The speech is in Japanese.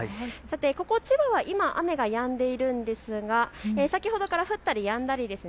ここ千葉は今、雨がやんでいるんですが、先ほどから降ったりやんだりです。